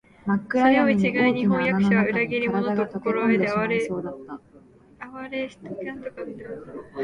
それを一概に「飜訳者は裏切り者」と心得て畏れ謹しんだのでは、